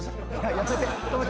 やめて。